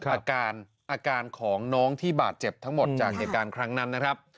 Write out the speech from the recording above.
อาการอาการของน้องที่บาดเจ็บทั้งหมดจากเหตุการณ์ครั้งนั้นนะครับ